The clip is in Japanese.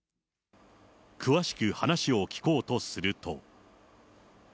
詳しく話を聞こうとすると。